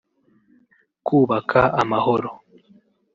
Kubaka amahoro